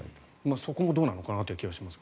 そこもどうなのかなという気もしますが。